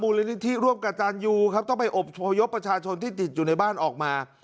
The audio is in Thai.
ลินิธิร่วมกับตันยูครับต้องไปอบพยพประชาชนที่ติดอยู่ในบ้านออกมา